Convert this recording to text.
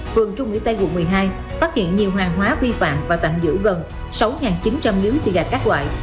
phường trung mỹ tây quận một mươi hai phát hiện nhiều hàng hóa vi phạm và tạm giữ gần sáu chín trăm linh liếu xì gà các loại